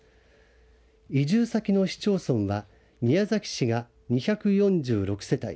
移住先の市町村は宮崎市が２４６世帯